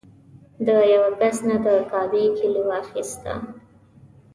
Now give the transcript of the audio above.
د یوه کس نه د کعبې کیلي واخیستله.